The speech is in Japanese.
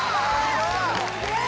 ・すげえ！